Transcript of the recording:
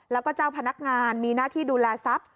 แล้วก็เจ้าพนักงานมีหน้าที่ดูแลทรัพย